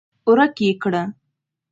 ورک يې کړه!